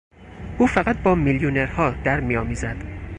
او فقط با میلیونرها در می آمیزد.